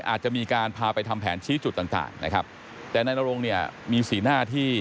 อาจจะมีการพาไปทำแผนชี้จุดต่างต่างนะครับแต่นายนรงเนี่ยมีสีหน้าที่